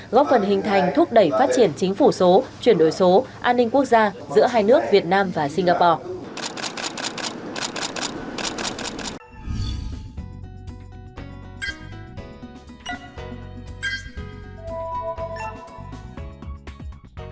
góp phần hình thành thúc đẩy phát triển chính phủ số chuyển đổi số an ninh quốc gia giữa hai nước việt nam và singapore